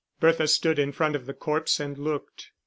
Bertha stood in front of the corpse and looked.